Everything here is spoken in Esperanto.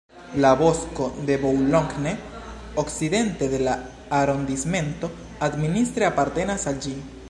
La bosko de Boulogne, okcidente de la arondismento, administre apartenas al ĝi.